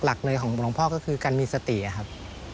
หลักเลยของหลวงพ่อก็คือการมีสติครับ